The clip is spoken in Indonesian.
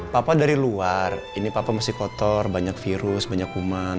papa dari luar ini papa masih kotor banyak virus banyak kuman